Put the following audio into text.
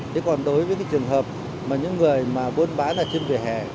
thế còn đối với cái trường hợp mà những người mà buôn bán ở trên vỉa hè